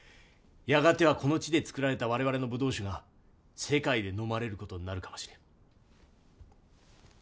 やがてはこの地で造られた我々のぶどう酒が世界で飲まれる事になるかもしれん。